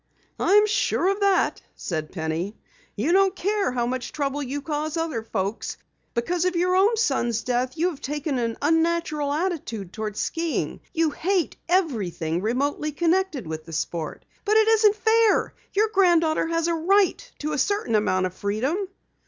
"I'm sure of that," said Penny. "You don't care how much trouble you cause other folks. Because of your own son's death you have taken an unnatural attitude toward skiing. You hate everything remotely connected with the sport. But it isn't fair. Your granddaughter has a right to a certain amount of freedom."